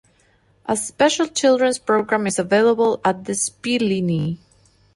A special children's program is available at the "Spiellinie".